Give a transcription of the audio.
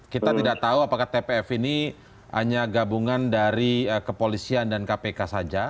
kita tidak tahu apakah tpf ini hanya gabungan dari kepolisian dan kpk saja